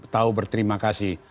tahu berterima kasih